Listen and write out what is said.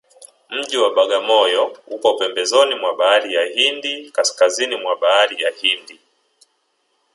mji wa bagamoyo upo pembezoni mwa bahari ya hindi kaskazini mwa bahari ya hindi